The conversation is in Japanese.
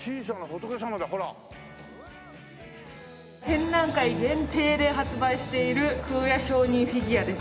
展覧会限定で発売している空也上人フィギュアです。